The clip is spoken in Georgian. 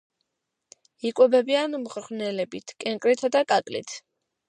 იკვებებიან მღრღნელებით, კენკრითა და კაკლით.